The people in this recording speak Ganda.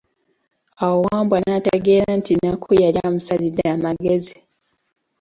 Awo Wambwa n'ategeera nti Nakku yali amusalidde amagezi.